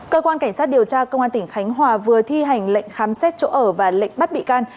cơ quan cảnh sát điều tra công an tỉnh khánh hòa vừa thi hành lệnh khám xét chỗ ở và lệnh bắt bị can